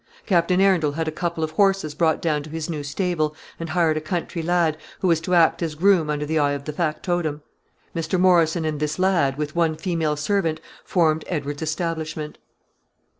Captain Arundel had a couple of horses brought down to his new stable, and hired a country lad, who was to act as groom under the eye of the factotum. Mr. Morrison and this lad, with one female servant, formed Edward's establishment.